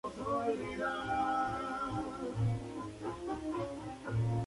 Este segundo tipo de ciencia ficción es el que se denomina "ciencia ficción suave".